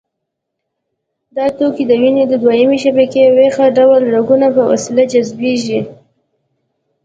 دا توکي د وینې د دویمې شبکې ویښته ډوله رګونو په وسیله جذبېږي.